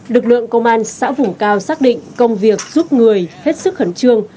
lực lượng công an xã vùng cao xác định công việc giúp người hết sức khẩn trương